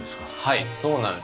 はいそうなんです。